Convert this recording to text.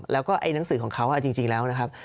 แล้วก็ไอ้หนังสือของเขาจริงแล้วนะครับ